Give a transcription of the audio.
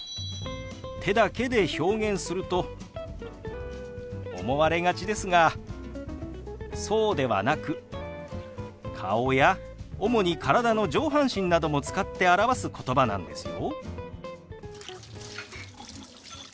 手だけで表現すると思われがちですがそうではなく顔や主に体の上半身なども使って表すことばなんですよ。